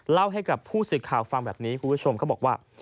เล่าให้กับผู้สื่อข่าวฟังแบบนี้คุณผู้ชมเขาบอกว่า